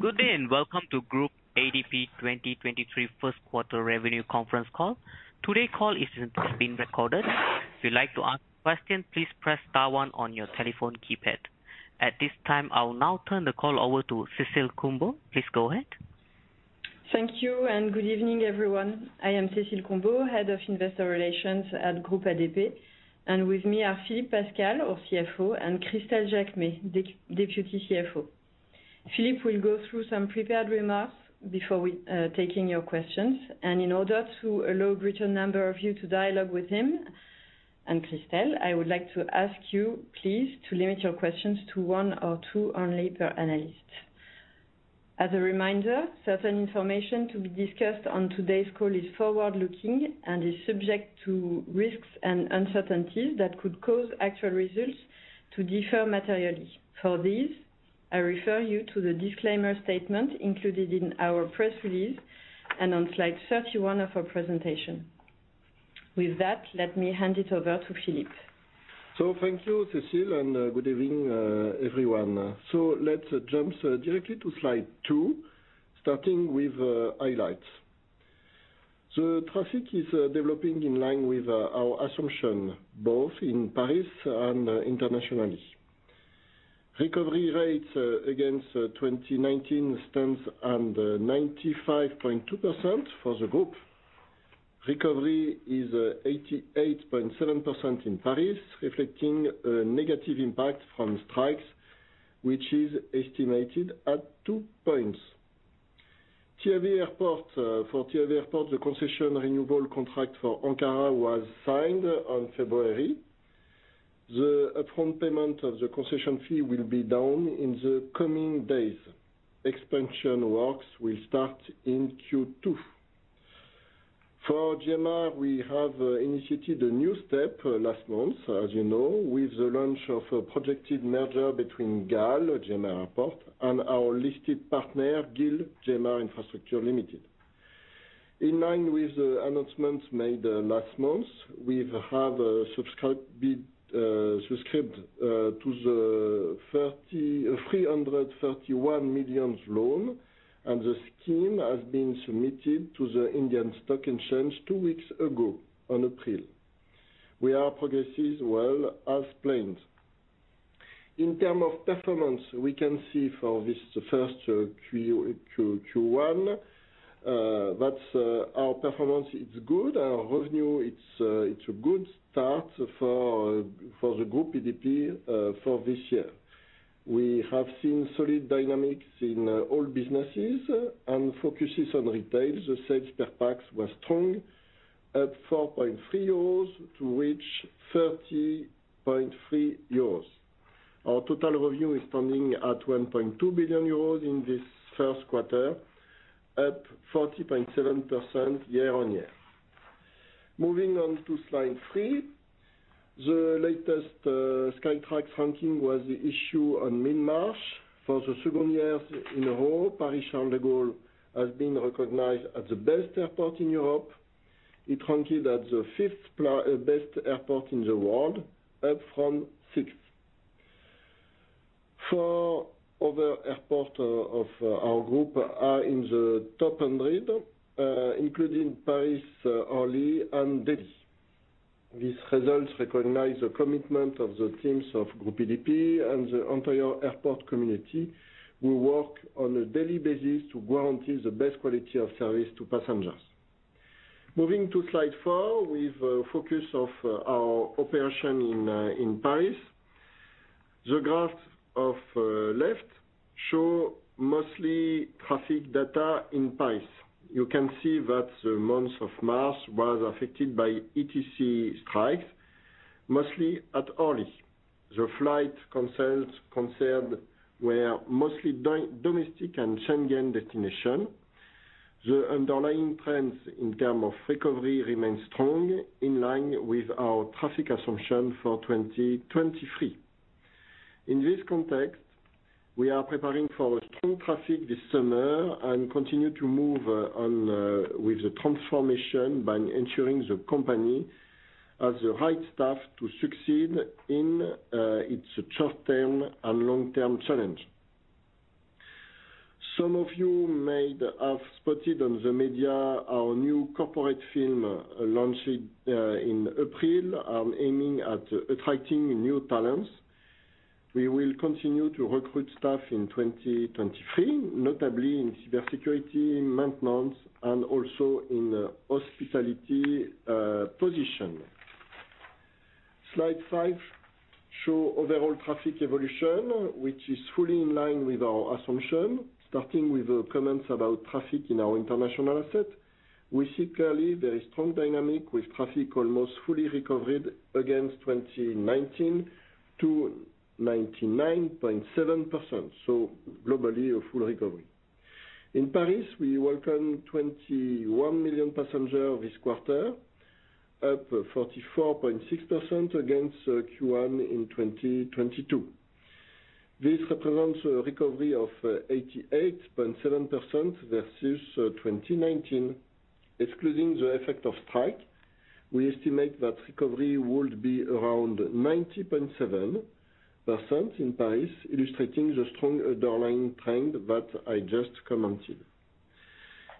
Good day and welcome to Groupe ADP 2023 Q1 revenue conference call. Today call is being recorded. If you'd like to ask questions, please press star one on your telephone keypad. At this time, I'll now turn the call over to Cécile Combeau. Please go ahead. Thank you good evening, everyone. I am Cécile Combeau, Head of Investor Relations at Groupe ADP, and with me are Philippe Pascal, our CFO, and Christelle Jacquemet, Deputy CFO. Philippe will go through some prepared remarks before we taking your questions. In order to allow greater number of you to dialogue with him and Christelle, I would like to ask you please to limit your questions to one or two only per analyst. As a reminder, certain information to be discussed on today's call is forward-looking and is subject to risks and uncertainties that could cause actual results to differ materially. For these, I refer you to the disclaimer statement included in our press release and on Slide 31 of our presentation. With that, let me hand it over to Philippe. Thank you, Cécile, and good evening, everyone. Let's jump directly to Slide 2, starting with highlights. Traffic is developing in line with our assumption, both in Paris and internationally. Recovery rates against 2019 stands at 95.2% for the group. Recovery is 88.7% in Paris, reflecting a negative impact from strikes, which is estimated at 2 points. For TAV Airports, the concession renewal contract for Ankara was signed on February. The upfront payment of the concession fee will be down in the coming days. Expansion works will start in Q2. For GMR, we have initiated a new step last month, as you know, with the launch of a projected merger between GAL GMR Airports and our listed partner, GIL GMR Airports Infrastructure Limited. In line with the announcements made last month, we have subscribed to the 331 million loan, and the scheme has been submitted to the Indian Stock Exchange two weeks ago in April. We are progressing well as planned. In term of performance, we can see from Q1 that our performance is good. Our revenue, it's a good start for Groupe ADP for this year. We have seen solid dynamics in all businesses and focus on retail. The sales per pax was strong at 4.3 euros to reach 30.3 euros. Our total revenue is standing at 1.2 billion euros in Q1, up 40.7% year-on-year. Moving on to Slide 3. The latest Skytrax ranking was issued on mid-March. For the second year in a row, Paris Charles de Gaulle has been recognized as the best airport in Europe. It ranked at the fifth best airport in the world, up from sixth. Four other airports of our group are in the top 100, including Paris Orly and Delhi. These results recognize the commitment of the teams of Groupe ADP and the entire airport community who work on a daily basis to guarantee the best quality of service to passengers. Moving to Slide 4, with a focus of our operation in Paris. The graph of left show mostly traffic data in Paris. You can see that the month of March was affected by ATC strikes, mostly at Orly. The flight concerned were mostly domestic and Schengen destination. The underlying trends in term of recovery remains strong, in line with our traffic assumption for 2023. In this context, we are preparing for strong traffic this summer and continue to move on with the transformation by ensuring the company has the right staff to succeed in its short-term and long-term challenge. Some of you may have spotted on the media our new corporate film launched in April, aiming at attracting new talents. We will continue to recruit staff in 2023, notably in cybersecurity, maintenance, and also in hospitality position. Slide 5 show overall traffic evolution, which is fully in line with our assumption. Starting with comments about traffic in our international asset, we see clearly there is strong dynamic with traffic almost fully recovered against 2019 to 99.7%. Globally a full recovery. In Paris, we welcomed 21 million passengers this quarter, up 44.6% against Q1 in 2022. This represents a recovery of 88.7% versus 2019, excluding the effect of strike. We estimate that recovery would be around 90.7% in Paris, illustrating the strong underlying trend that I just commented.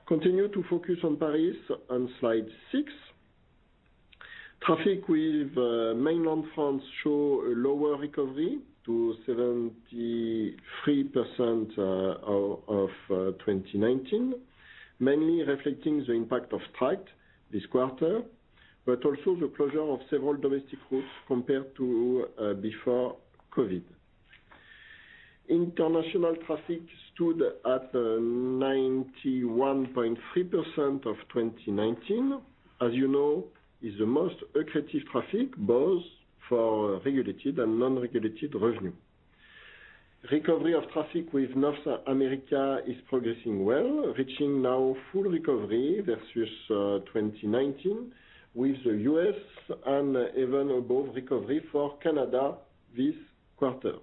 Continue to focus on Paris on Slide 6. Traffic with mainland France show a lower recovery to 73% of 2019, mainly reflecting the impact of strike this quarter, but also the closure of several domestic routes compared to before COVID. International traffic stood at 91.3% of 2019, as you know, it's the most accretive traffic, both for regulated and non-regulated revenue. Recovery of traffic with North America is progressing well, reaching now full recovery versus 2019 with the U.S. and even above recovery for Canada this quarter.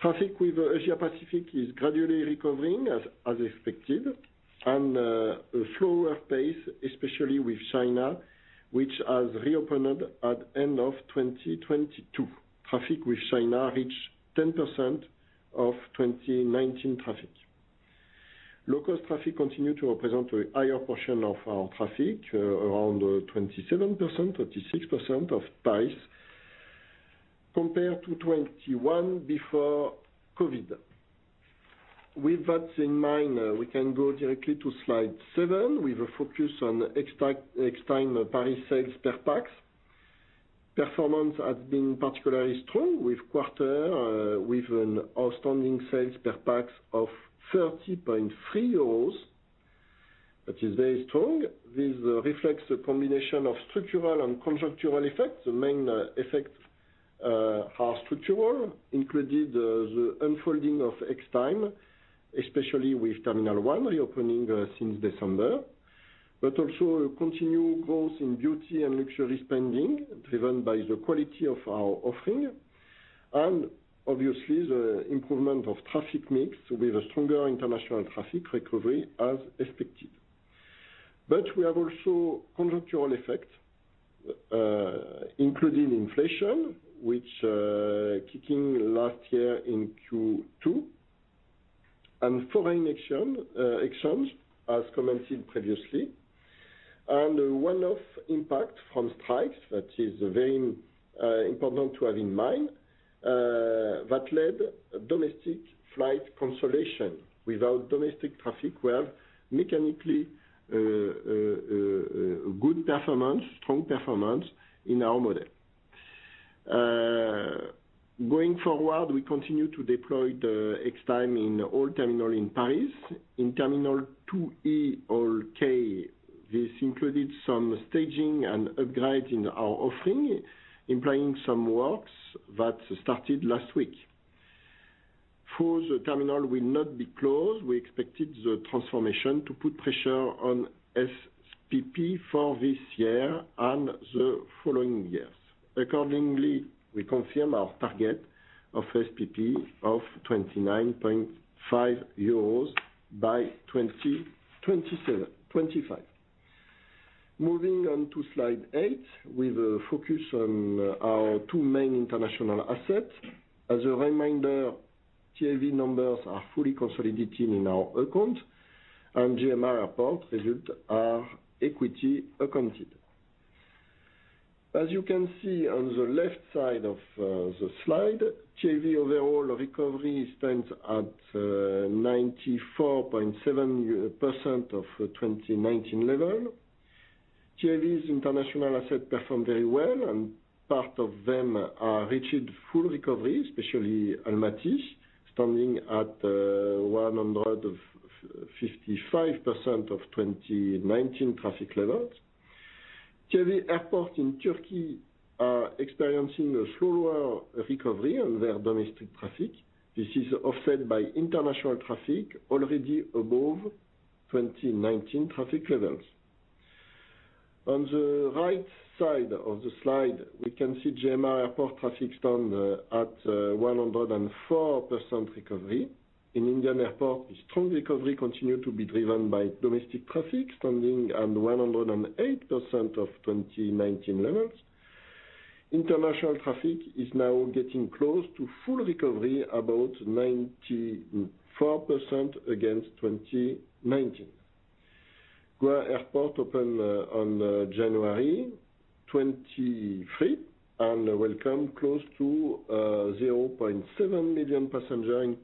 Traffic with Asia Pacific is gradually recovering as expected and a slower pace, especially with China, which has reopened at end of 2022. Traffic with China reached 10% of 2019 traffic. Low-cost traffic continued to represent a higher portion of our traffic, around 27%, 36% of price, compared to 21% before COVID. With that in mind, we can go directly to Slide 7 with a focus on Extime Paris sales per pax. Performance has been particularly strong with quarter, with an outstanding sales per pax of 30.3 euros, which is very strong. This reflects a combination of structural and contractual effects. The main effects are structural, including the unfolding of Extime, especially with Terminal 1 reopening since December. Also a continued growth in beauty and luxury spending, driven by the quality of our offering. Obviously, the improvement of traffic mix with a stronger international traffic recovery as expected. We have also contractual effect, including inflation, which kicking last year in Q2, and foreign exchange, as commented previously, and one-off impact from strikes that is very important to have in mind that led domestic flight consolidation. Without domestic traffic, we have mechanically strong performance in our model. Going forward, we continue to deploy the Extime in all terminal in Paris. In Terminal 2E or K, this included some staging and upgrade in our offering, implying some works that started last week. For the terminal will not be closed, we expected the transformation to put pressure on SPP for this year and the following years. Accordingly, we confirm our target of SPP of 29.5 euros by 2025. Moving on to Slide 8, with a focus on our two main international assets. As a reminder, TAV numbers are fully consolidated in our account, and GMR Airports results are equity accounted. As you can see on the left side of the slide, TAV overall recovery stands at 94.7% of 2019 level. TAV's international asset performed very well, and part of them are reached full recovery, especially Almaty, standing at 155% of 2019 traffic levels. TAV Airports in Turkey are experiencing a slower recovery on their domestic traffic. This is offset by international traffic already above 2019 traffic levels. On the right side of the slide, we can see GMR Airports traffic stand at 104% recovery. In Indian airport, strong recovery continued to be driven by domestic traffic, standing at 108% of 2019 levels. International traffic is now getting close to full recovery, about 94% against 2019. Goa Airport opened on January 2023 and welcomed close to 0.7 million passenger in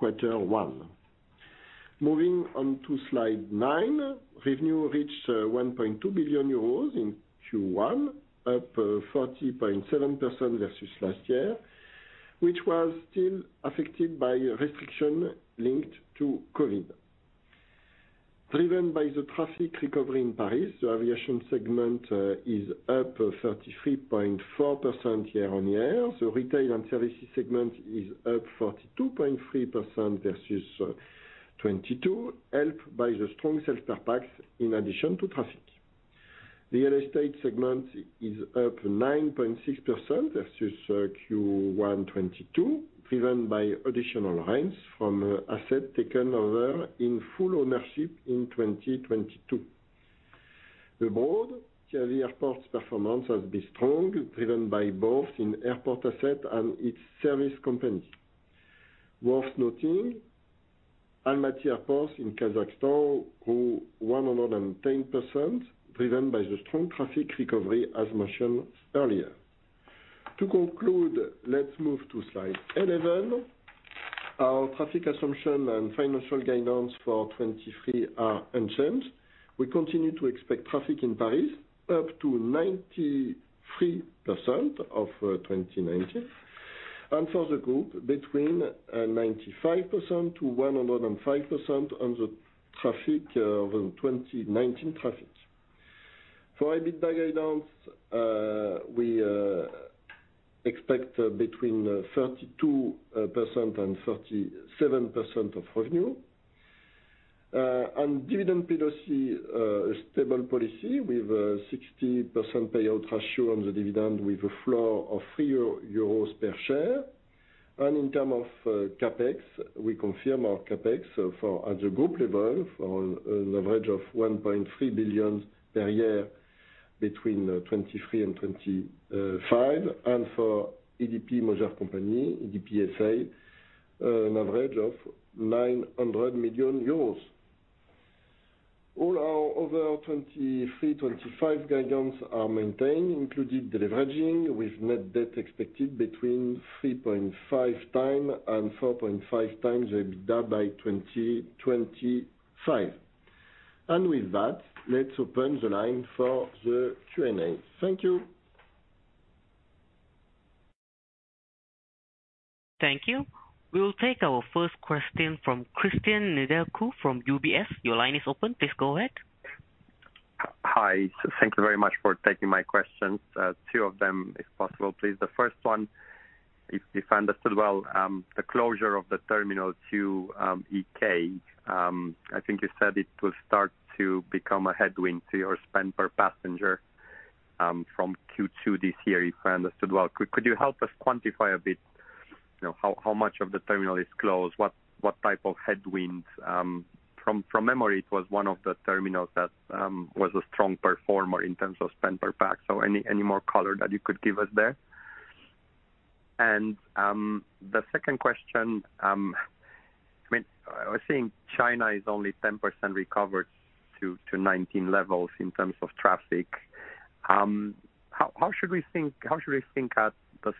Q1. Moving on to Slide 9. Revenue reached 1.2 billion euros in Q1, up 40.7% versus last year, which was still affected by a restriction linked to COVID. Driven by the traffic recovery in Paris, the aviation segment is up 33.4% year-on-year. The retail and services segment is up 42.3% versus 2022, helped by the strong sales per pax in addition to traffic. The real estate segment is up 9.6% versus Q1 2022, driven by additional rents from asset taken over in full ownership in 2022. Abroad, TAV Airports' performance has been strong, driven by both an airport asset and its service company. Worth noting, Almaty Airport in Kazakhstan grew 110%, driven by the strong traffic recovery, as mentioned earlier. To conclude, let's move to Slide 11. Our traffic assumption and financial guidance for 2023 are unchanged. We continue to expect traffic in Paris up to 93% of 2019, and for the group between 95% to 105% on the traffic of 2019 traffic. For EBITDA guidance, we expect between 32% and 37% of revenue. Dividend policy, a stable policy with a 60% payout ratio on the dividend with a flow of 3 euros per share. In term of CapEx, we confirm our CapEx for at the group level for an average of 1.3 billion per year between 2023 and 2025. For ADP mother company, ADP SA, an average of 900 million euros. All our other 2023/2025 guidance are maintained, including deleveraging with net debt expected between 3.5 times and 4.5 times the EBITDA by 2025. With that, let's open the line for the Q&A. Thank you. Thank you. We will take our first question from Cristian Nedelcu from UBS. Your line is open. Please go ahead. Hi. Thank you very much for taking my questions. Two of them, if possible, please. The first one, if I understood well, the closure of Terminal 2EK, I think you said it will start to become a headwind to your spend per passenger from Q2 this year, if I understood well. Could you help us quantify a bit how much of the terminal is closed? What type of headwinds? From memory, it was one of the terminals that was a strong performer in terms of spend per pax. Any more color that you could give us there? The second question, I think China is only 10% recovered to 2019 levels in terms of traffic. How should we think at the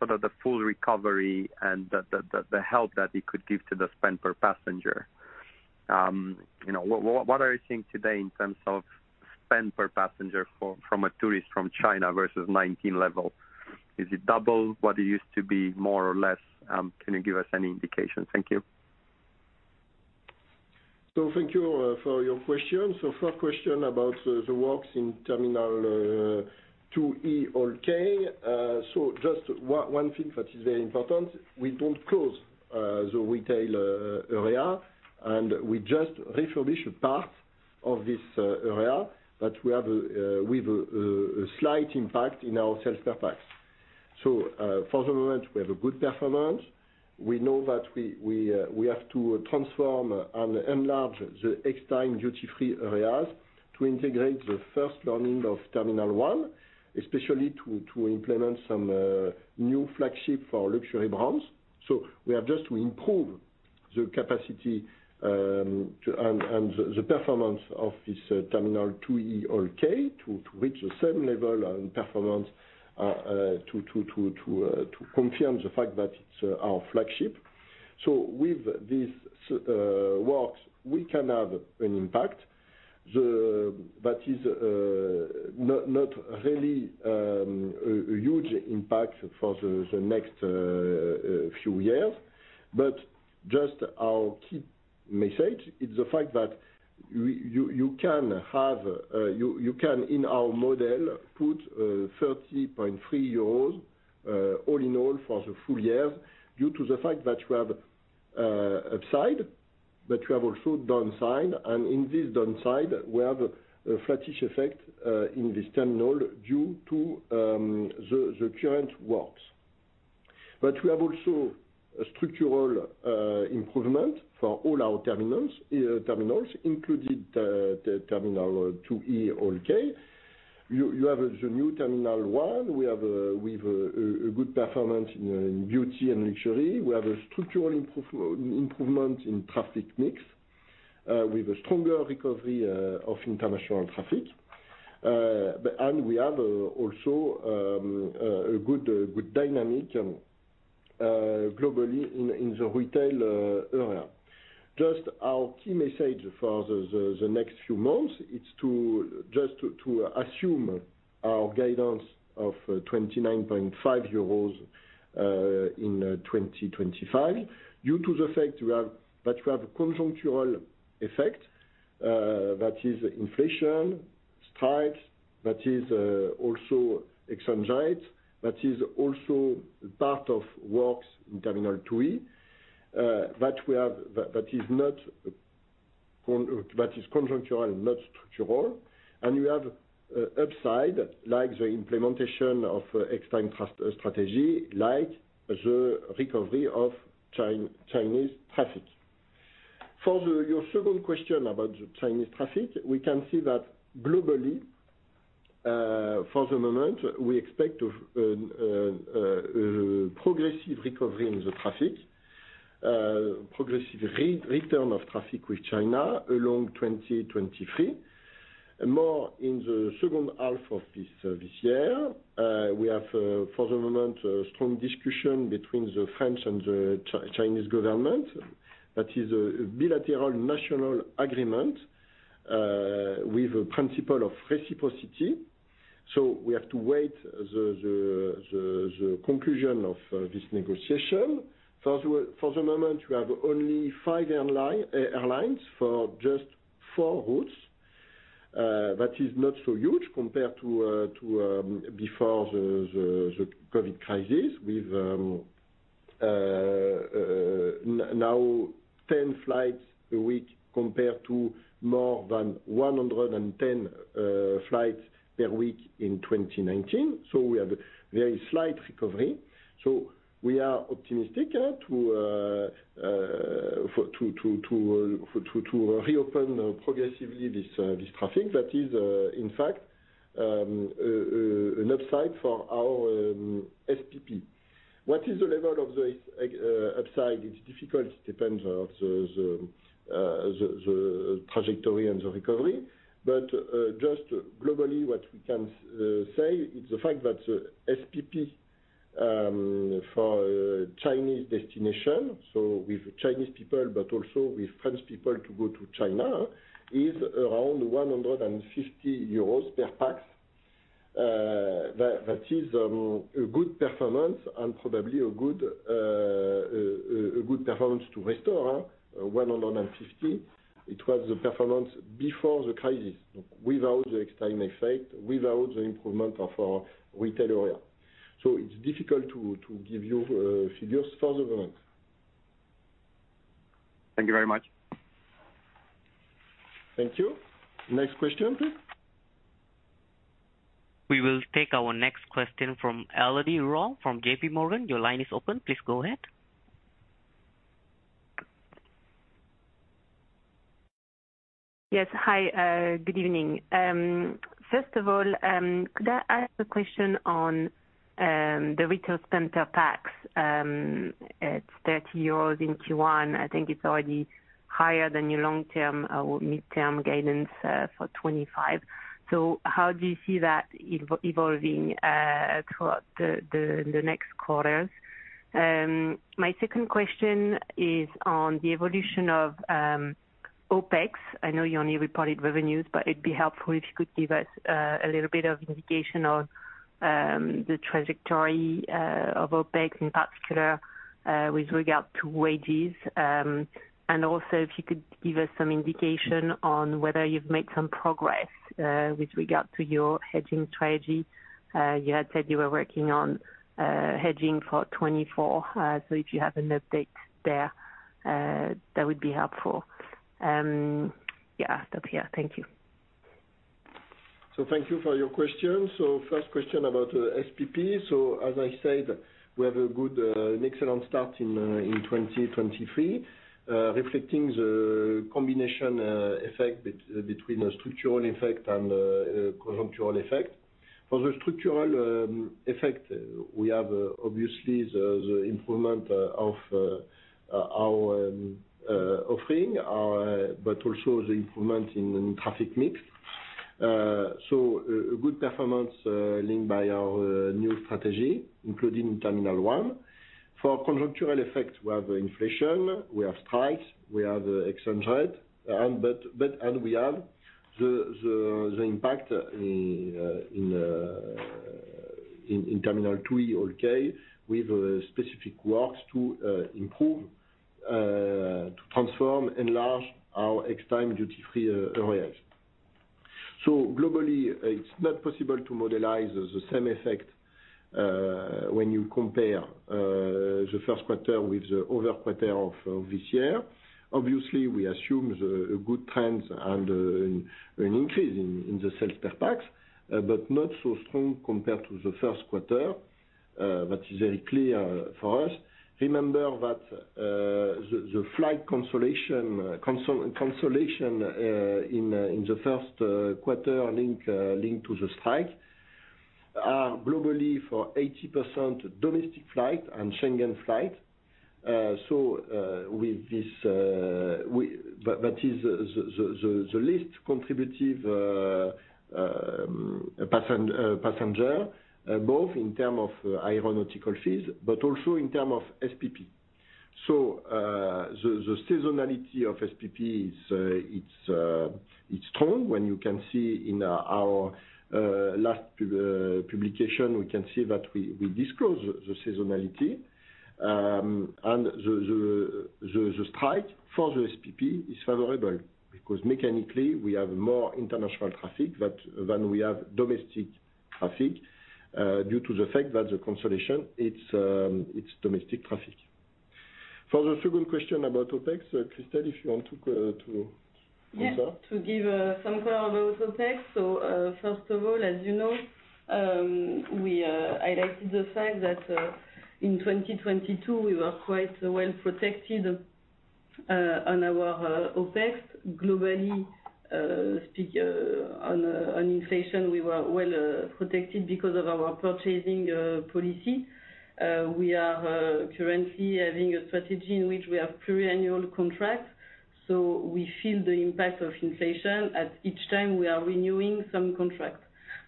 full recovery and the help that it could give to the spend per passenger? What are you seeing today in terms of spend per passenger from a tourist from China versus 2019 level? Is it double what it used to be, more or less? Can you give us any indication? Thank you. Thank you for your question. First question about the works in Terminal 2E or K. Just one thing that is very important, we don't close the retail area, we just refurbish a part of this area, we have with a slight impact in our sales per pax. For the moment, we have a good performance. We know that we have to transform and enlarge the Extime duty-free areas to integrate the first learning of Terminal 1, especially to implement some new flagship for luxury brands. We have just to improve the capacity and and the performance of this Terminal 2E Hall K to reach the same level and performance to confirm the fact that it's our flagship. With these works, we can have an impact but it's not really a huge impact for the next few years. Just our key message is the fact that you can in our model put 30.3 euros all in all for the full year due to the fact that we have an upside, but we have also a downside. In this downside, we have a base effect in this terminal due to the current works. We have also a structural improvement for all our terminals, including Terminal 2E or K. You have the new Terminal 1. We have a good performance in beauty and luxury. We have a structural improvement in traffic mix with a stronger recovery of international traffic. We have also a good dynamic globally in the retail area. Just our key message for the next few months is to assume our guidance of 29.5 euros in 2025 due to the fact that we have a conjuncture effect, that is inflation, strikes, that is also exchange rates, that is also part of works in Terminal 2E. We have that is conjuncture and not structural. We have upside like the implementation of Extime strategy, like the recovery of Chinese traffic. For your second question about the Chinese traffic, we can see that globally, for the moment, we expect progressive recovery in the traffic. Progressive return of traffic with China along 2023, more in the second half of this year. We have for the moment a strong discussion between the French and the Chinese government. That is a bilateral national agreement, with a principle of reciprocity. We have to wait the conclusion of this negotiation. For the moment, we have only five airlines for just four routes. That is not so huge compared to before the COVID crisis with now 10 flights a week compared to more than 110 flights per week in 2019. We have a very slight recovery. We are optimistic to reopen progressively this traffic. That is, in fact, an upside for our SPP. What is the level of the upside? It's difficulty depends on the trajectory and the recovery. Just globally, what we can say is the fact that SPP for Chinese destination, so with Chinese people, but also with French people to go to China, is around 150 euros per pax. That is a good performance and probably a good performance to restore 150. It was the performance before the crisis, without the external effect, without the improvement of our retail area. It's difficult to give you figures for the moment. Thank you very much. Thank you. Next question, please. We will take our next question from Elodie Rall from J.P. Morgan. Your line is open. Please go ahead. Yes. Hi. Good evening. First of all, could I ask a question on the retail spend per pax? It's 30 euros in Q1. I think it's already higher than your long-term or midterm guidance for 2025. How do you see that evolving throughout the next quarters? My second question is on the evolution of OpEx. I know you only reported revenues, but it'd be helpful if you could give us a little bit of indication on the trajectory of OpEx, in particular, with regard to wages. Also, if you could give us some indication on whether you've made some progress with regard to your hedging strategy. You had said you were working on hedging for 2024. If you have an update there, that would be helpful. Yes. Stop here. Thank you. Thank you for your question. First question about SPP. As I said, we have an excellent start in 2023, reflecting the combination effect between a structural effect and a conjunctural effect. For the structural effect, we have obviously the improvement of our offering, but also the improvement in traffic mix. A good performance linked by our new strategy, including terminal one. For conjunctural effect, we have inflation, we have strikes, we have exchange rate, but and we have the impact in Terminal 2E or K with specific works to improve, to transform, enlarge our external duty-free areas. Globally, it's not possible to model the same effect when you compare Q1 with the other quarter of this year. Obviously, we assume a good trends and an increase in the sales per pax, but not so strong compared to Q1. That is very clear for us. Remember that the flight consolation in Q1 linked to the strike are globally for 80% domestic flight and Schengen flight. That is the least contributive passenger, both in term of aeronautical fees, but also in term of SPP. The seasonality of SPP is it's strong. When you can see in our last publication, we can see that we disclose the seasonality. The strike for the SPP is favorable because mechanically we have more international traffic than we have domestic traffic due to the fact that the consolidation, it's domestic traffic. For the second question about OpEx, Christelle, if you want to... Yes. To give some color on the OpEx. First of all, as you know, we highlighted the fact that in 2022 we were quite well-protected on our OpEx. Globally, on inflation, we were well-protected because of our purchasing policy. We are currently having a strategy in which we have pre-annual contracts, so we feel the impact of inflation at each time we are renewing some contract.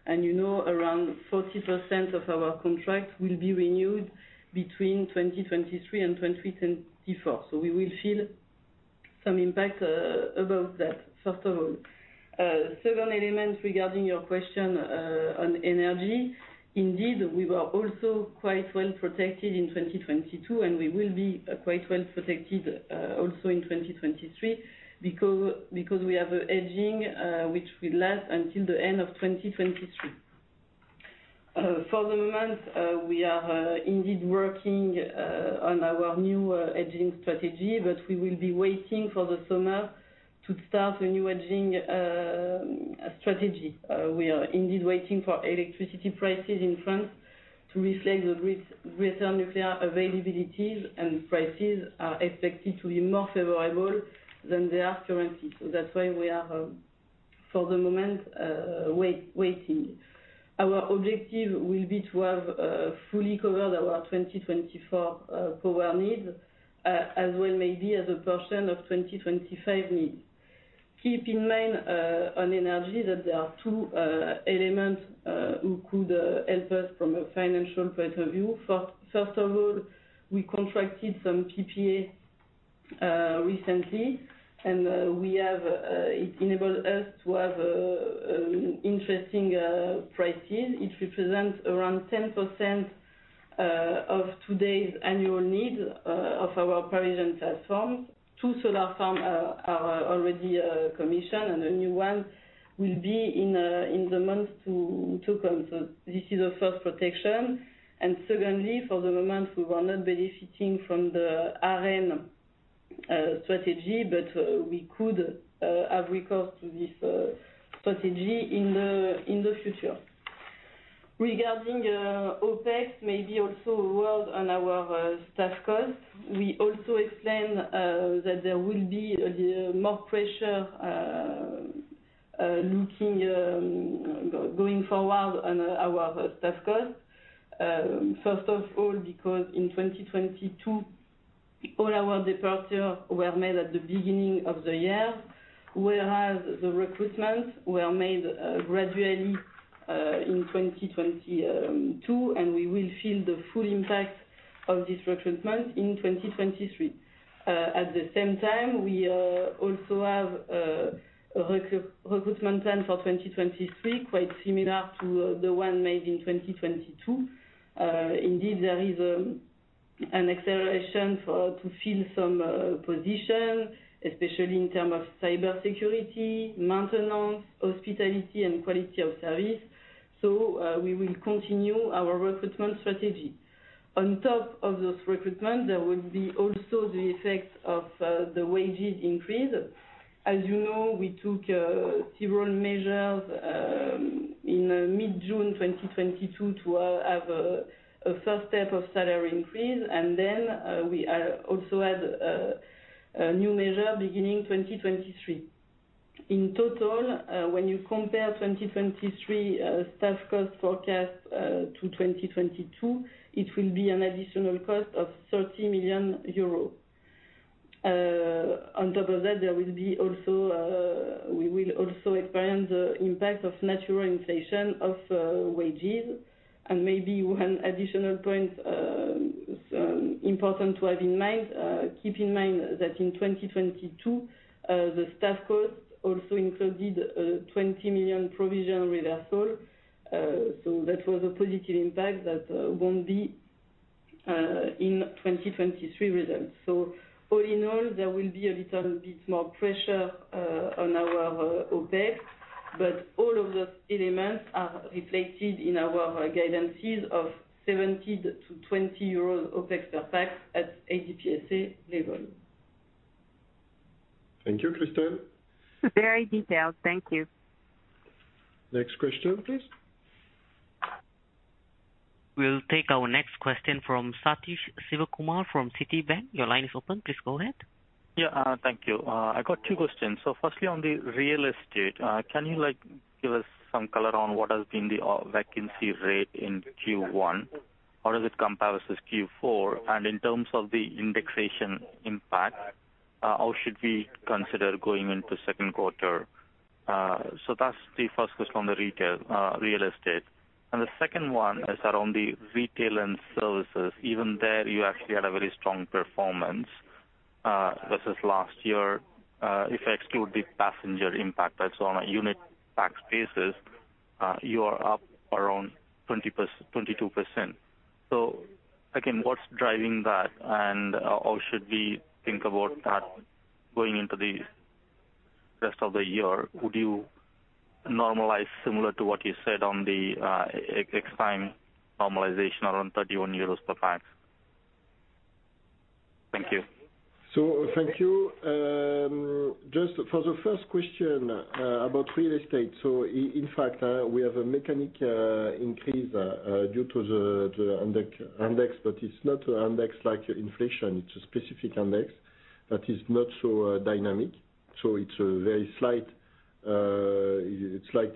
You know around 40% of our contracts will be renewed between 2023 and 2024. We will feel some impact above that, first of all. Second element regarding your question on energy. Indeed, we were also quite well-protected in 2022, we will be quite well-protected also in 2023 because we have a hedging which will last until the end of 2023. For the moment, we are indeed working on our new hedging strategy, we will be waiting for the summer to start a new hedging strategy. We are indeed waiting for electricity prices in France to reflect the return nuclear availabilities, prices are expected to be more favorable than they are currently. That's why we are, for the moment, waiting. Our objective will be to have fully covered our 2024 power needs, as well maybe as a portion of 2025 needs. Keep in mind, on energy that there are two elements who could help us from a financial point of view. First of all, we contracted some PPA recently, and it enabled us to have interesting prices. It represents around 10% of today's annual needs of our Parisian platforms. Two solar farms are already commissioned, and a new one will be in the months to come. This is a first protection. Secondly, for the moment, we were not benefiting from the ARENH strategy, but we could have a recourse to this strategy in the future. Regarding OpEx, maybe also a word on our staff costs. We also explained that there will be a little more pressure going forward on our staff costs. First of all, because in 2022, all our departure were made at the beginning of the year, whereas the recruitments were made gradually in 2022, and we will feel the full impact of this recruitment in 2023. At the same time, we also have a recruitment plan for 2023, quite similar to the one made in 2022. Indeed, there is an acceleration to fill some positions, especially in terms of cybersecurity, maintenance, hospitality, and quality of service. We will continue our recruitment strategy. On top of those recruitments, there will be also the effects of the wages increase. As you know, we took several measures in mid-June 2022 to have a first step of salary increase. Then, we also had a new measure beginning 2023. In total, when you compare 2023 staff cost forecast to 2022, it will be an additional cost of 30 million euros. On top of that, we will also experience the impact of natural inflation of wages. Maybe one additional point important to have in mind. Keep in mind that in 2022, the staff costs also included a 20 million provision reversal, so that was a positive impact that won't be in 2023 results. All in all, there will be a little bit more pressure on our OpEx, but all of those elements are reflected in our guidances of 70-20 euros OpEx per pax at ADP SA level. Thank you, Christine. Very detailed. Thank you. Next question, please. We'll take our next question from Sathish Sivakumar from Citi. Your line is open. Please go ahead. Thank you. I got two questions. Firstly, on the real estate, can you give us some color on what has been the vacancy rate in Q1? How does it compare versus Q4? In terms of the indexation impact, how should we consider going into Q2? That's the first question on the real estate. The second one is around the retail and services. Even there, you actually had a very strong performance versus last year. If I exclude the passenger impact that's on a unit pax basis, you are up around 22%. Again, what's driving that? How should we think about that going into the rest of the year? Would you normalize similar to what you said on the Extime normalization around 31 euros per pax? Thank you. Thank you. Just for the first question about real estate. In fact, we have a mechanic increase due to the index, but it's not index like inflation, it's a specific index that is not so dynamic. It's a very slight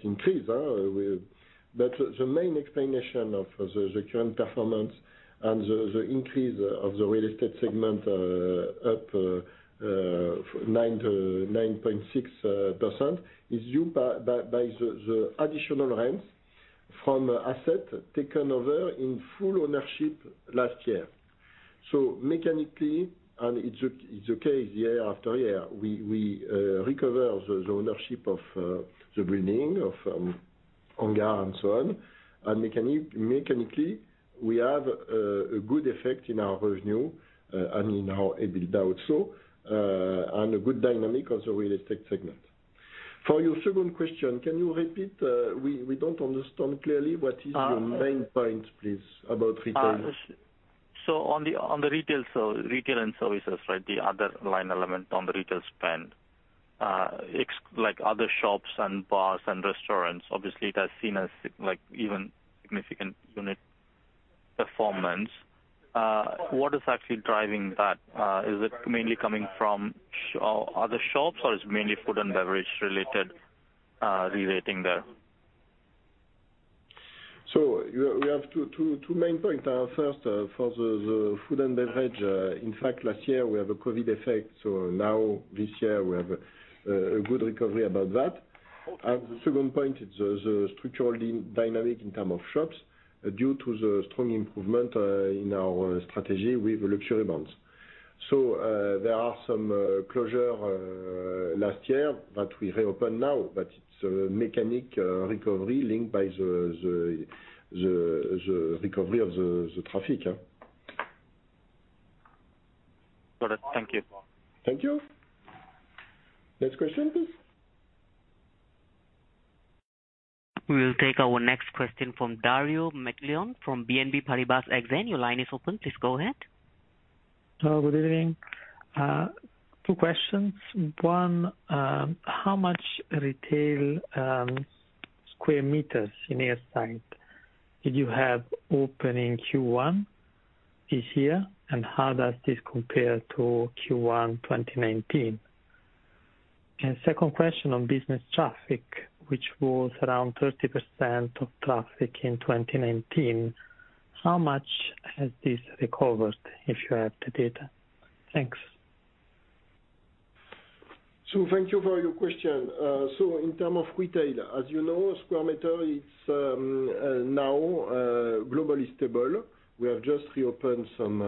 increase. The main explanation of the current performance and the increase of the real estate segment up 9% to 9.6% is due by the additional rents from asset taken over in full ownership last year. Mechanically, and it's okay year after year, we recover the ownership of the building of hangars and so on. Mechanically, we have a good effect in our revenue, and in our EBITDA also, and a good dynamic of the real estate segment. For your second question, can you repeat? We don't understand clearly what is your main point, please, about retail. On the retail and services, the other two line elements on the retail spend, like other shops and bars and restaurants, obviously, it has seen even significant unit performance. What is actually driving that? Is it mainly coming from other shops, or it's mainly food and beverage relating there? We have two main points. First, for the food and beverage, in fact, last year we have a COVID effect, so now this year we have a good recovery about that. The second point, it's structurally dynamic in terms of shops due to the strong improvement in our strategy with luxury brands. There are some closure last year that we reopen now, but it's a mechanic recovery linked by the recovery of the traffic. Got it. Thank you. Thank you. Next question, please. We'll take our next question from Dario Materloni from BNP Paribas Exane. Your line is open. Please go ahead. Hello, good evening. Two questions. One, how much retail square meters in airside did you have open in Q1 this year, and how does this compare to Q1 2019? Second question on business traffic, which was around 30% of traffic in 2019, how much has this recovered, if you have the data? Thanks. Thank you for your question. In term of retail, as you know, square meters now globally stable. We have just reopened some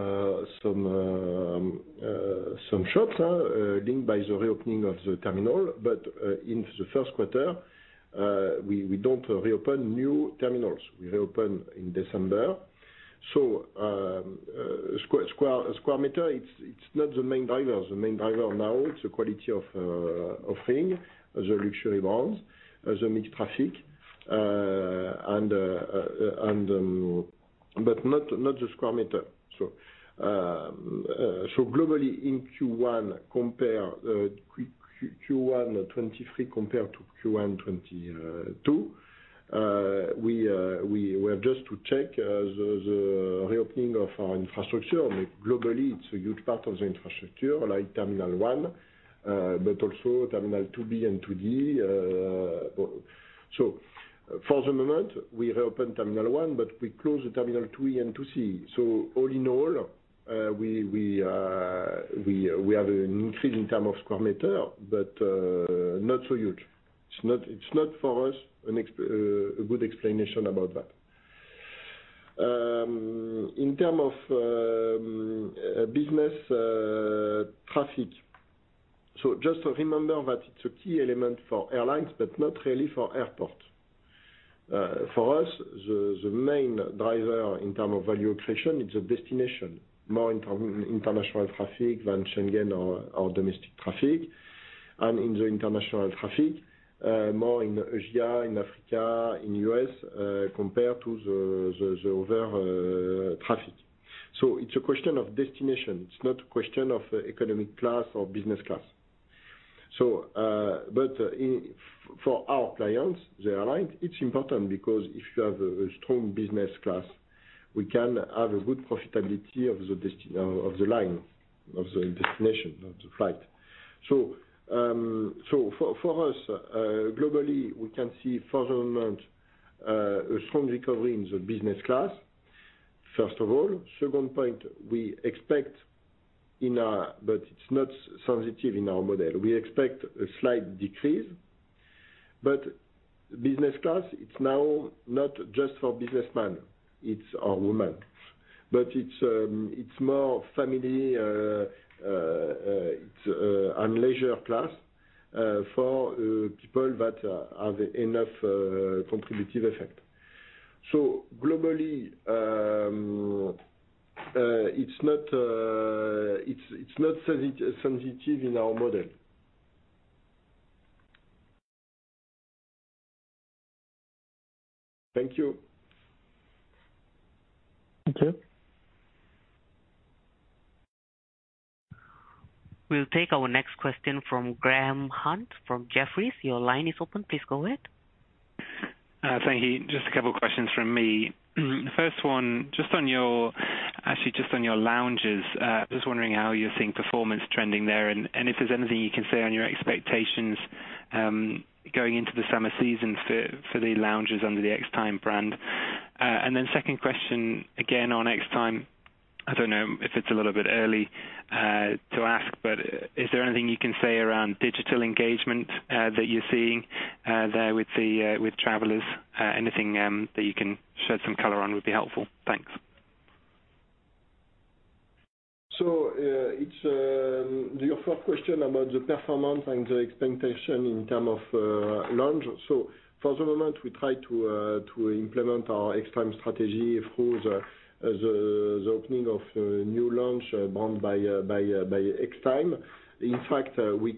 shops linked by the reopening of the terminal. In Q1, we don't reopen new terminals. We reopen in December. Square meter is not the main driver. The main driver now is the quality of offering, the luxury brands, the mixed traffic, and not the square meter. Globally, compare Q1 2023 compared to Q1 2022, we have just to check the reopening of our infrastructure. Globally, it's a huge part of the infrastructure like Terminal 1, but also Terminal 2B and 2D. For the moment, we have opened Terminal 1, but we closed the Terminal 2E and 2C. All in all, we have an increase in term of square meters, but not so huge. It's not for us a good explanation about that. In term of business traffic, just to remember that it's a key element for airlines, but not really for airport. For us, the main driver in terms of value creation is the destination. More international traffic than Schengen or domestic traffic. In the international traffic, more in Asia, in Africa, and in U.S., compared to the other traffic. It's a question of destination. It's not a question of economic class or business class. For our clients, the airlines, it's important because if you have a strong business class, we can have a good profitability of the line, of the destination, of the flight. For us, globally, we can see for the moment, a strong recovery in the business class, first of all. Second point, we expect but it's not sensitive in our model. We expect a slight decrease, but business class, it's now not just for businessman, it's a woman. It's more family, and leisure class, for people that have enough contributive effect. Globally, it's not sensitive in our model. Thank you. Thank you. We'll take our next question from Graham Hunt from Jefferies. Your line is open. Please go ahead. Thank you. Just a couple of questions from me. First one, actually, just on your lounges. I was wondering how you're seeing performance trending there, and if there's anything you can say on your expectations going into the summer season for the lounges under the Extime brand. Second question, again on Extime. I don't know if it's a little bit early to ask, but is there anything you can say around digital engagement that you're seeing there with travelers? Anything that you can shed some color on would be helpful. Thanks. It's your first question about the performance and the expectation in terms of lounges. For the moment, we try to implement our Extime strategy through the opening of new lounge brand by Extime. In fact, we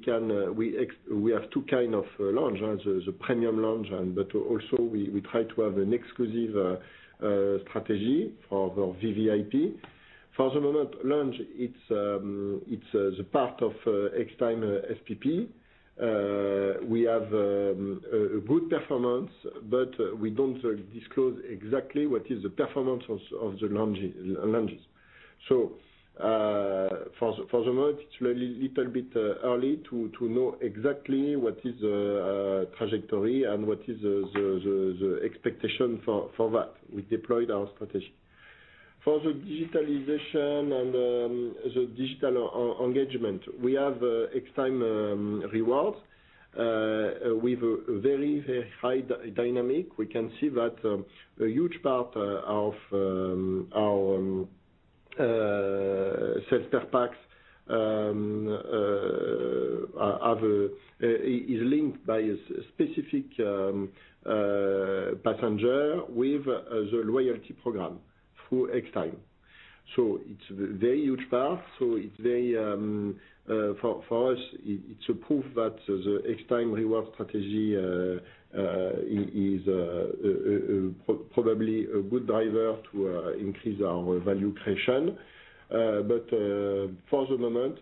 have two kind of lounges. There's a premium lounge but also we try to have an exclusive strategy for VVIP. For the moment, lounge, it's the part of Extime SPP. We have a good performance, but we don't disclose exactly what is the performance of the lounges. For the moment, it's a little bit early to know exactly what is trajectory and what is the expectation for that. We deployed our strategy. For the digitalization and the digital engagement, we have Extime Rewards with a very high dynamic. We can see that a huge part of our sales per pax is linked by a specific passenger with the loyalty program through Extime. It's very huge part. For us, it's a proof that the Extime reward strategy is probably a good driver to increase our value creation. For the moment,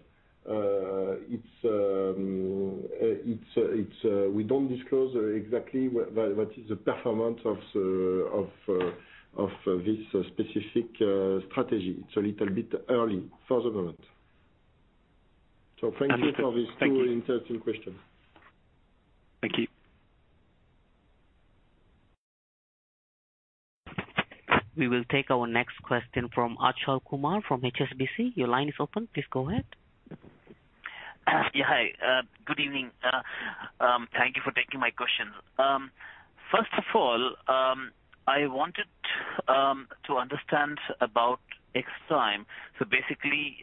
we don't disclose exactly what is the performance of this specific strategy. It's a little bit early for the moment. Thank you for these two interesting questions. Thank you. We will take our next question from Achal Kumar from HSBC. Your line is open. Please go ahead. Yes. Hi. Good evening. Thank you for taking my question. First of all, I wanted to understand about Extime. Basically,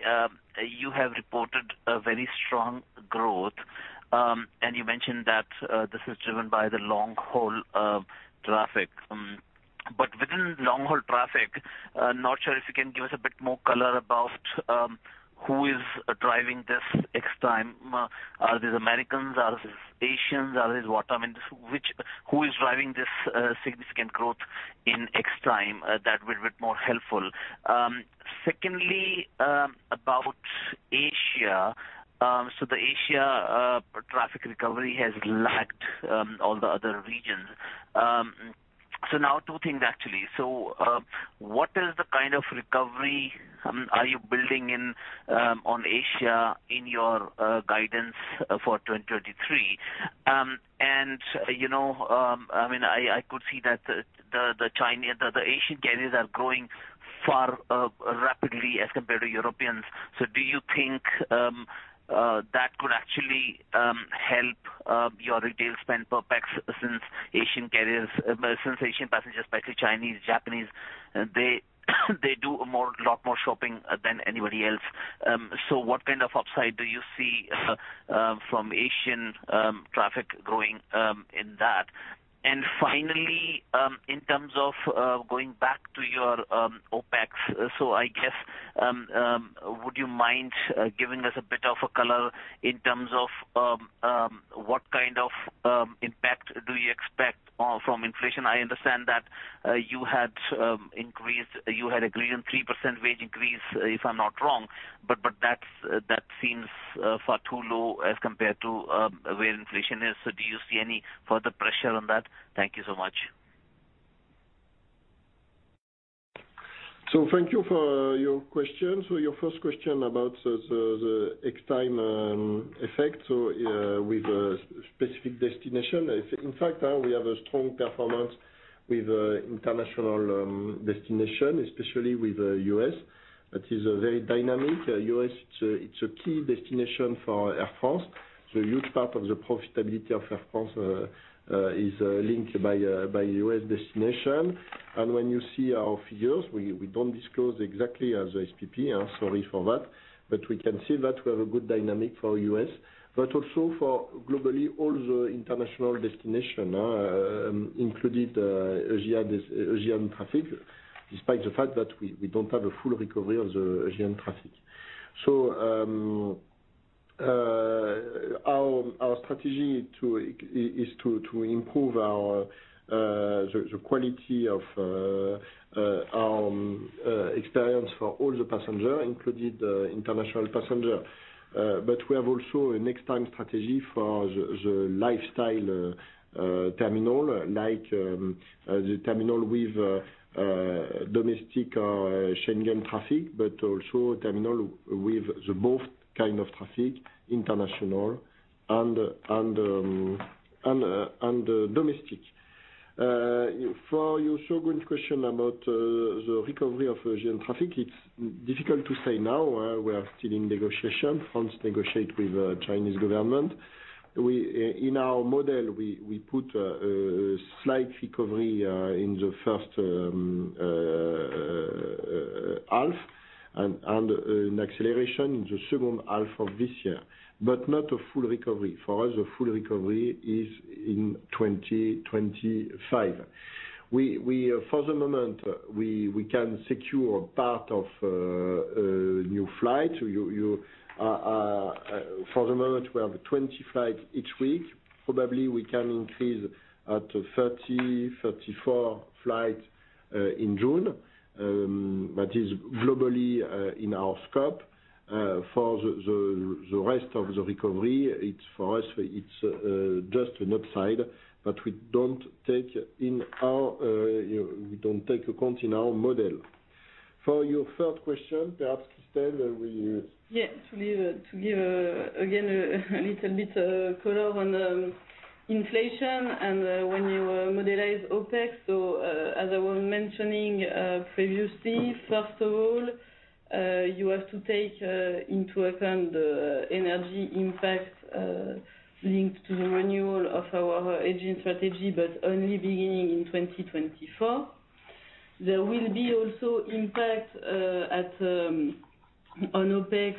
you have reported a very strong growth, and you mentioned that this is driven by the long-haul traffic. Within long-haul traffic, not sure if you can give us a bit more color about who is driving this Extime. Are these Americans? Are these Asians? Are these what? Who is driving this significant growth in Extime? That would be more helpful. Secondly, about Asia. The Asia traffic recovery has lagged all the other regions. Now, two things actually. What is the recovery you are building in on Asia in your guidance for 2023? I could see that the Asian carriers are growing far rapidly as compared to Europeans. Do you think that could actually help your retail spend per pax since Asian carriers, since Asian passengers, especially Chinese, Japanese, they do a lot more shopping than anybody else. What upside do you see from Asian traffic growing in that? Finally, in terms of going back to your OpEx. Would you mind giving us a bit of a color in terms of what impact do you expect from inflation? I understand that you had agreed on 3% wage increase, if I'm not wrong, but that seems far too low as compared to where inflation is. Do you see any further pressure on that? Thank you so much. Thank you for your question. Your first question about the Extime effect. With a specific destination. In fact, we have a strong performance with international destination, especially with U.S. That is very dynamic. U.S., it's a key destination for Air France. A huge part of the profitability of Air France is linked by U.S. destination. When you see our figures, we don't disclose exactly as SPP. I'm sorry for that, we can see that we have a good dynamic for U.S., but also globally, all the international destinations, including the Asian traffic, despite the fact that we don't have a full recovery of the Asian traffic. Our strategy is to improve our the quality of our experience for all the passengers, including the international passengers. We have also a next time strategy for the lifestyle terminal. Like the terminal with domestic or Schengen traffic, also terminal with the both traffic, international and domestic. For your second question about the recovery of Asian traffic, it's difficult to say now. We are still in negotiation. France negotiate with the Chinese government. In our model, we put a slight recovery in the first half and an acceleration in the second half of this year, not a full recovery. For us, a full recovery is in 2025. For the moment, we can secure part of new flights. For the moment, we have 20 flights each week. Probably we can increase up to 30-34 flights in June. That is globally in our scope. For the rest of the recovery, for us, it's just an upside, but we don't take account in our model. For your third question, perhaps, Christelle you will... Yes. To give, again, a little bit color on the inflation and when you modelize OpEx. As I was mentioning previously, first of all, you have to take into account the energy impact linked to the renewal of our aging strategy, but only beginning in 2024. There will be also impact on OpEx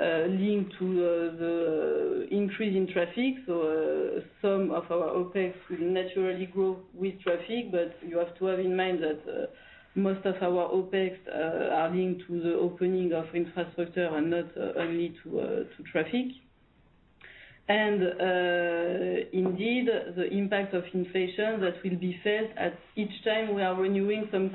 linked to the increase in traffic. Some of our OpEx will naturally grow with traffic. You have to have in mind that most of our OpEx are linked to the opening of infrastructure and not only to traffic. Indeed, the impact of inflation that will be felt at each time we are renewing some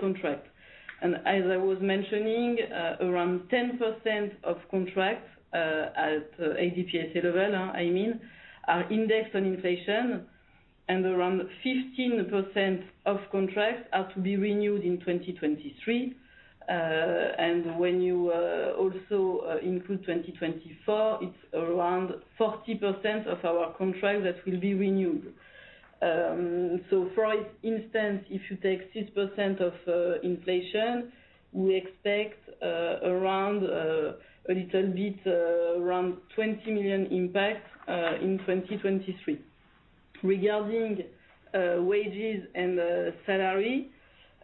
contract. As I was mentioning, around 10% of contracts at ADP SA level, I mean, are indexed on inflation and around 15% of contracts are to be renewed in 2023. When you also include 2024, it's around 40% of our contracts that will be renewed. For instance, if you take 6% of inflation, we expect around a little bit around 20 million impact in 2023. Regarding wages and salary,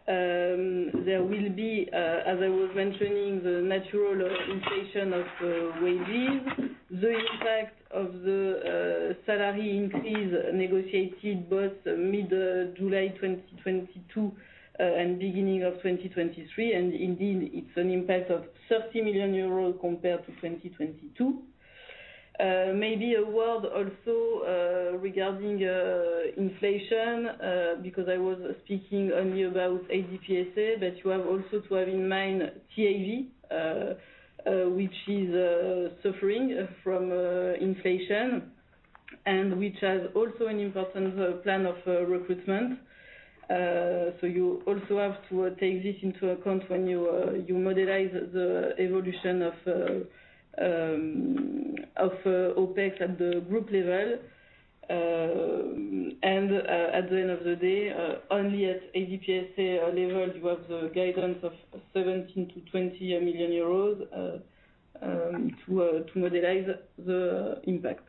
there will be, as I was mentioning, the natural inflation of wages. The impact of the salary increase negotiated both mid-July 2022 and beginning of 2023, and indeed, it's an impact of 30 million euros compared to 2022. Maybe a word also regarding inflation because I was speaking only about ADP SA, but you have also to have in mind TAV which is suffering from inflation and which has also an important plan of recruitment. You also have to take this into account when you you modelize the evolution of OpEx at the group level. At the end of the day, only at ADP SA level you have the guidance of 17 million-20 million euros to modelize the impact.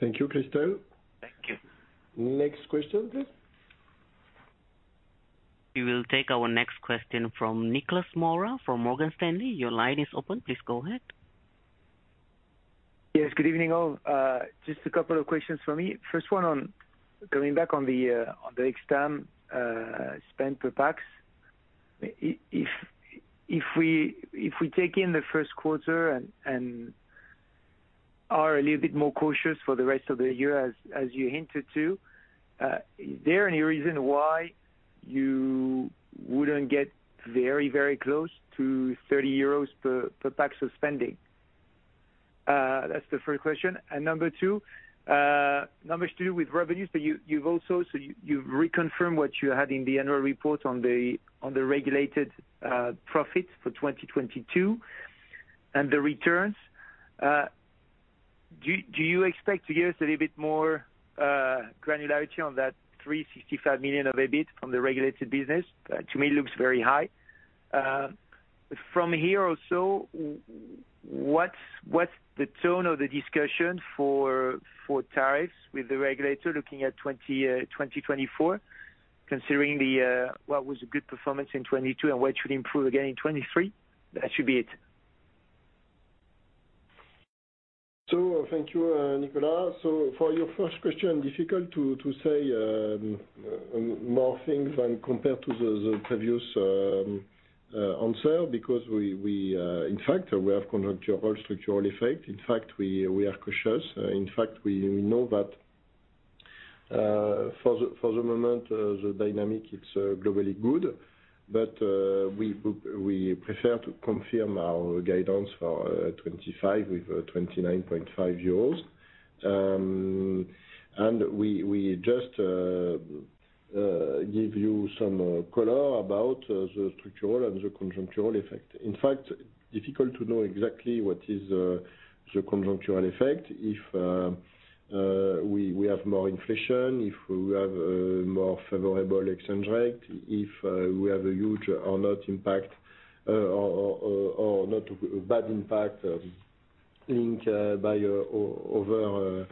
Thank you, Christelle. Thank you. Next question, please. We will take our next question from Nicolas Mora from Morgan Stanley. Your line is open. Please go ahead. Good evening all. Just a couple of questions for me. First one, going back on the Extime spend per pax. If we take in Q1 and are a little bit more cautious for the rest of the year, as you hinted to, is there any reason why you wouldn't get very, very close to 30 euros per pax of spending? That's the first question. Number two, not much to do with revenues, you've reconfirmed what you had in the annual report on the regulated profits for 2022 and the returns. Do you expect to give us a little bit more granularity on that 365 million of EBIT from the regulated business? That to me looks very high. From here also, what's the tone of the discussion for tariffs with the regulator looking at 2024, considering the what was a good performance in 2022 and what should improve again in 2023? That should be it. Thank you, Nicolas. For your first question, difficult to say more things than compared to the previous answer because we in fact we have contractual structural effect. In fact, we are cautious. In fact, we know that, for the moment, the dynamic it's globally good, we prefer to confirm our guidance for 2025 with 29.5 euros. We just gave you some color about the structural and the conjuncture effect. In fact, difficult to know exactly what is the conjuncture effect. If we have more inflation, if we have a more favorable exchange rate, if we have a huge impact, or not bad impact, linked by other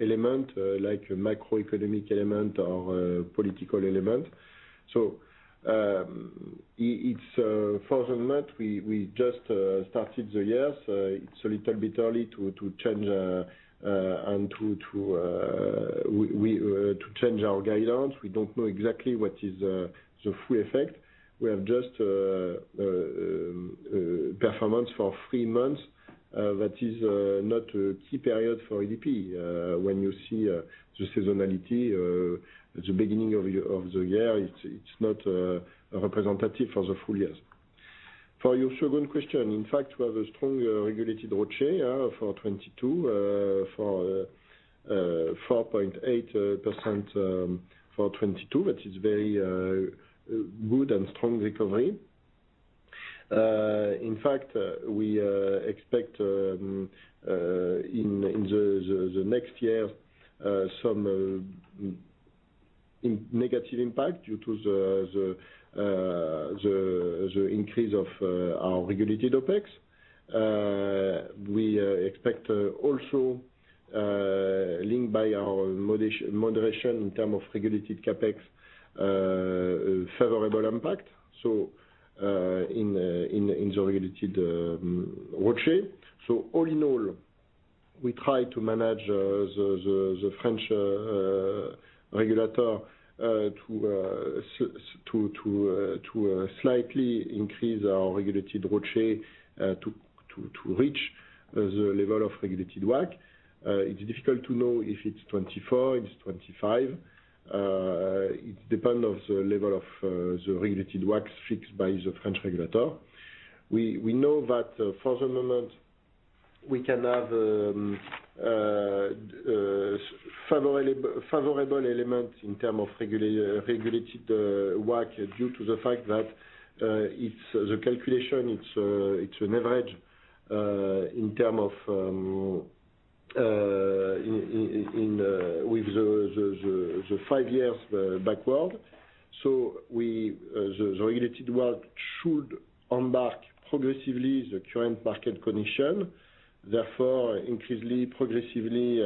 elements, like macroeconomic element or political element. For the moment we just started the year, it's a little bit early to change and to change our guidelines. We don't know exactly what is the full effect. We have just performance for three months, that is not a key period for ADP. When you see the seasonality, the beginning of the year, it's not representative for the full years. For your second question, in fact, we have a strong regulated ROCE for 2022 for 4.8% for 2022, which is very good and strong recovery. In fact, we expect in the next year some negative impact due to the increase of our regulated OpEx. We expect also linked by our moderation in term of regulated CapEx, favorable impact. In the regulated ROCE. All in all, we try to manage the French regulator to slightly increase our regulated ROCE to reach the level of regulated WACC. It's difficult to know if it's 2024 or it's 2025. It depend on the level of the regulated WACC fixed by the French regulator. We know that for the moment we can have favorable elements in term of regulated WACC due to the fact that it's the calculation, it's an average in term of with the five years backward. The regulated WACC should unmark progressively the current market condition, therefore increasingly progressively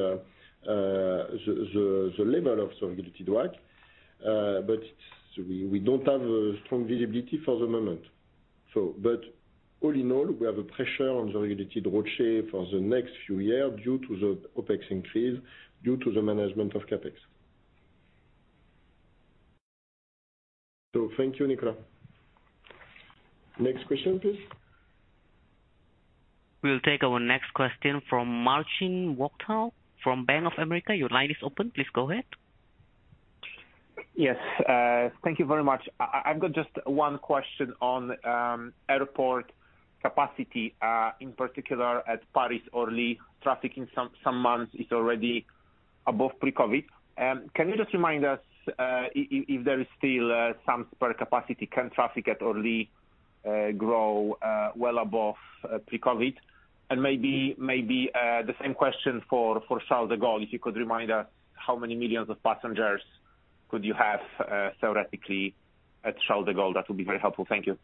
the level of regulated WACC. We don't have a strong visibility for the moment. All in all, we have a pressure on the regulated ROCE for the next few year due to the OpEx increase, due to the management of CapEx. Thank you, Nicola. Next question, please. We'll take our next question from Marcin Wojtal from Bank of America. Your line is open. Please go ahead. Yes, thank you very much. I've got just one question on airport capacity, in particular at Paris or Orly. Traffic in some months is already above pre-COVID. Can you just remind us if there is still some spare capacity? Can traffic at Orly grow well above pre-COVID? Maybe the same question for Charles de Gaulle. If you could remind us how many millions of passengers could you have theoretically at Charles de Gaulle, that would be very helpful. Thank you.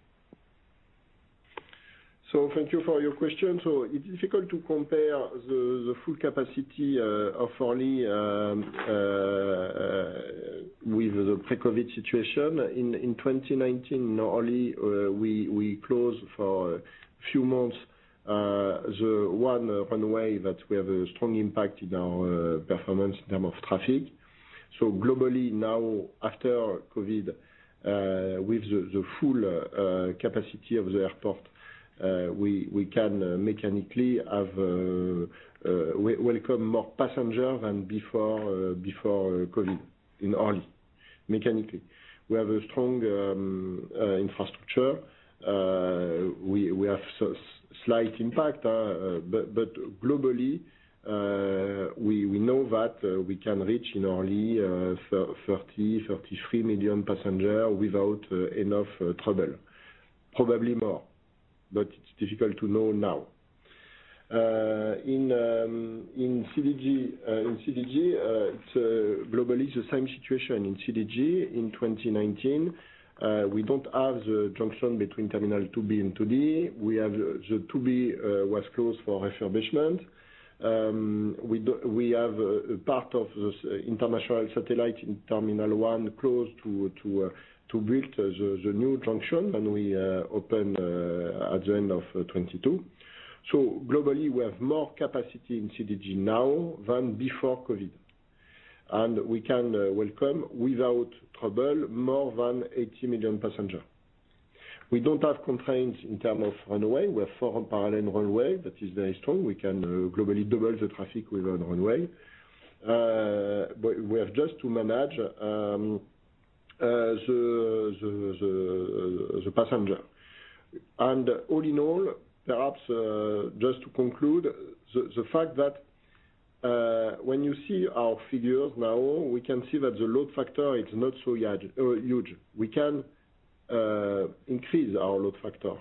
Thank you for your question. It's difficult to compare the full capacity of Orly with the pre-COVID situation. In 2019 Orly, we closed for a few months the one runway that we have a strong impact in our performance in term of traffic. Globally now after COVID, with the full capacity of the airport, we can mechanically welcome more passengers than before COVID in Orly, mechanically. We have a strong infrastructure. We have slight impact, but globally, we know that we can reach in Orly 30-33 million passenger without enough trouble. Probably more, but it's difficult to know now. In CDG, it's globally the same situation in CDG in 2019. We don't have the junction between Terminal 2B and 2D. We have the Terminal 2B was closed for refurbishment. We have a part of this international satellite in Terminal 1 closed to build the new junction, and we open at the end of 2022. Globally, we have more capacity in CDG now than before COVID. We can welcome without trouble more than 80 million passengers. We don't have constraints in terms of runway. We have four parallel runways that is very strong. We can globally double the traffic with one runway. We have just to manage the passengers. All in all, perhaps, just to conclude, the fact that when you see our figures now, we can see that the load factor is not so huge. We can increase our load factor.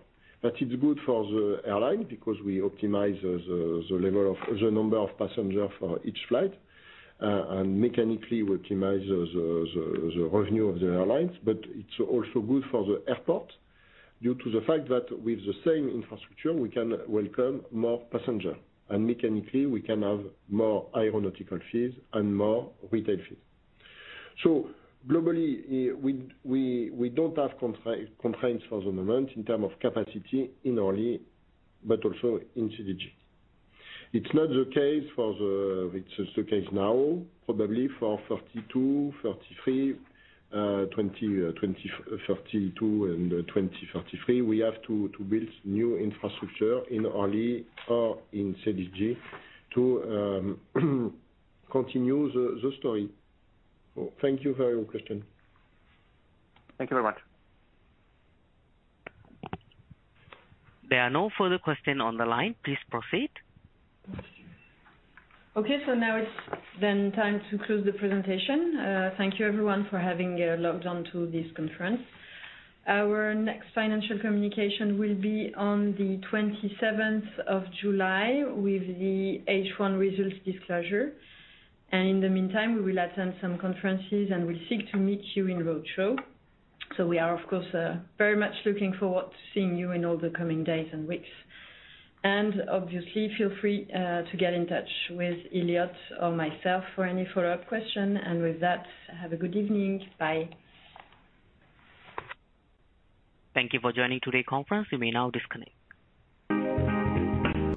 That is good for the airline because we optimize the number of passenger for each flight, and mechanically we optimize the revenue of the airlines, but it's also good for the airport due to the fact that with the same infrastructure, we can welcome more passenger. Mechanically, we can have more aeronautical fees and more retail fees. Globally, we don't have constraints for the moment in terms of capacity in Orly, but also in CDG. It's not the case it's the case now, probably for 2042 and then 2043, we have to build new infrastructure in Orly or in CDG to continue the story. Thank you for your question. Thank you very much. There are no further questions on the line. Please proceed. Okay. Now it's time to close the presentation. Thank you everyone for having logged on to this conference. Our next financial communication will be on the 27th of July with the Q1 results disclosure. In the meantime, we will attend some conferences, and we seek to meet you in roadshow. We are, of course, very much looking forward to seeing you in all the coming days and weeks. Obviously, feel free to get in touch with Eliott or myself for any follow-up question. With that, have a good evening. Bye. Thank you for joining today conference. You may now disconnect.